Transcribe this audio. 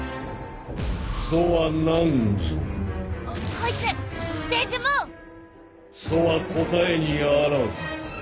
こいつデジモン！そは答えにあらず。